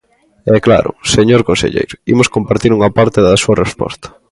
E claro, señor conselleiro, imos compartir unha parte da súa resposta.